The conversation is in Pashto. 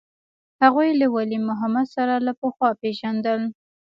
هغوى له ولي محمد سره له پخوا پېژندل.